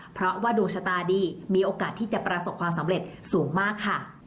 เพราะว่าดวงชะตาดีมีโอกาสที่จะประสบความสำเร็จสูงมากค่ะ